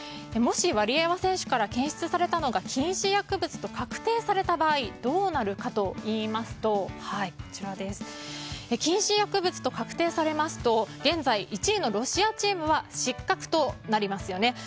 もしワリエワ選手から検出されたのが禁止薬物と確定された場合どうなるかといいますと禁止薬物と確定されますと現在１位のロシアチームは失格となりますよね。